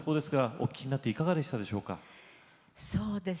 お聞きになっていかがでしたでしょうか。